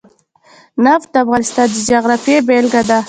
نفت د افغانستان د جغرافیې بېلګه ده.